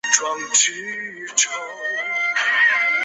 达科塔鳄属于中真鳄类的棱角鳞鳄科。